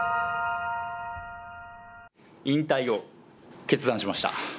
引退を決断しました。